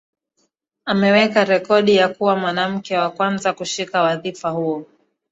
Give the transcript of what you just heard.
Ameweka rekodi ya kuwa mwanamke wa kwanza kushika wadhifa huo